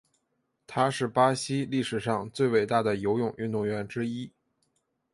他是巴西历史上最伟大游泳运动员之一。